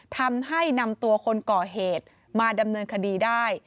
ทำให้นำตัวคนก่อเหตุมาดำเนินคดีได้